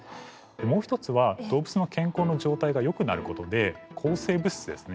もう一つは動物の健康の状態がよくなることで抗生物質ですね